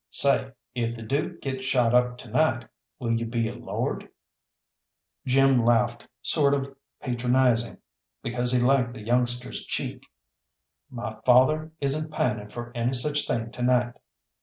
"Say, if the Dook gets shot up to night will you be a lord?" Jim laughed sort of patronising because he liked the youngster's cheek. "My father isn't pining for any such thing to night."